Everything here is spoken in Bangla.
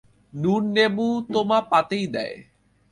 নুন নেবু তো মা পাতেই দেয়।